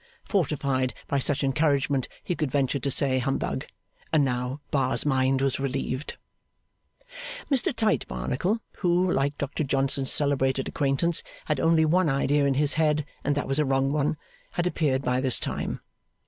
Fortified by such encouragement, he could venture to say Humbug; and now Bar's mind was relieved. Mr Tite Barnacle, who, like Dr Johnson's celebrated acquaintance, had only one idea in his head and that was a wrong one, had appeared by this time.